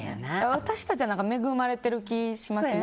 私たちは恵まれてる気がしません？